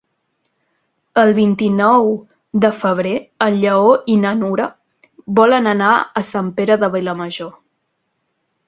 El vint-i-nou de febrer en Lleó i na Nura volen anar a Sant Pere de Vilamajor.